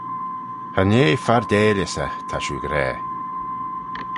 Cha nee fardailys eh ta shiu gra.